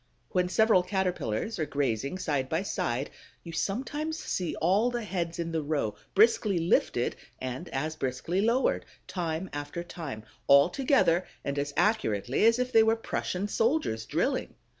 When several Caterpillars are grazing side by side, you sometimes see all the heads in the row briskly lifted and as briskly lowered, time after time, all together and as accurately as if they were Prussian soldiers drilling.